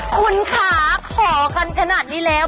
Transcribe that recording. คุณคะขอกันขนาดนี้แล้ว